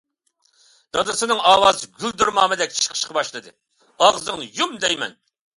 دادىسىنىڭ ئاۋازى گۈلدۈرمامىدەك چىقىشقا باشلىدى:-ئاغزىڭنى يۇم دەيمەن.